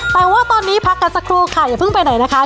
แต่ว่าตอนนี้พักกันสักครู่ค่ะอย่าเพิ่งไปไหนนะคะ